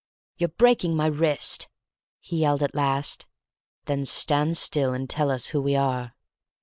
"You're breaking my wrist!" he yelled at last. "Then stand still and tell us who we are."